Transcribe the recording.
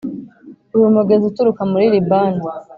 uri umugezi uturuka muri Libani!